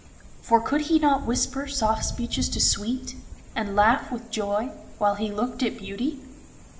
For could he not whisper soft speeches to Sweet, and laugh with Joy, while he looked at Beauty?